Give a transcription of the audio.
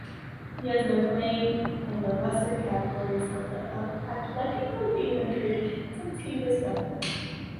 He has been playing in the lesser categories of the Atletico de Madrid since he was younger.